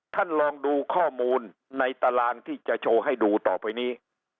ท่านลองดูข้อมูลในตารางที่จะโชว์ให้ดูต่อไปนี้